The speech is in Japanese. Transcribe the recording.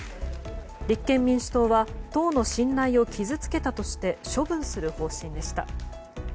立憲民主党は党の信頼を傷つけたとして処分する方針でした。